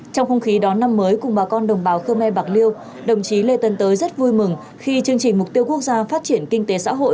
trong không khí đón năm mới cùng bà con đồng bào khơ me bạc liêu đồng chí lê tân tới rất vui mừng khi chương trình mục tiêu quốc gia phát triển kinh tế xã hội